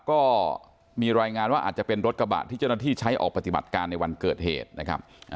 ก็มีรายงานว่าอาจจะเป็นรถกระบะที่เจ้าหน้าที่ใช้ออกปฏิบัติการในวันเกิดเหตุนะครับ